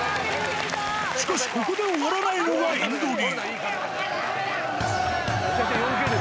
しかし、ここで終わらないのがインド流。